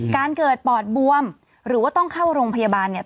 การเกิดปอดบวมหรือว่าต้องเข้าโรงพยาบาลเนี่ย